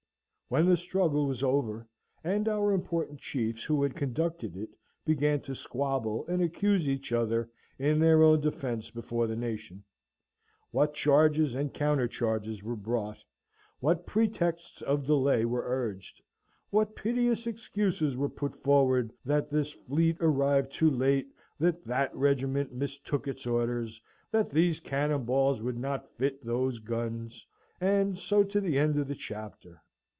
When the struggle was over, and our important chiefs who had conducted it began to squabble and accuse each other in their own defence before the nation what charges and counter charges were brought; what pretexts of delay were urged; what piteous excuses were put forward that this fleet arrived too late; that that regiment mistook its orders; that these cannon balls would not fit those guns; and so to the end of the chapter!